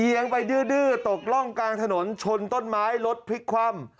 ไปดื้อตกร่องกลางถนนชนต้นไม้รถพลิกคว่ำ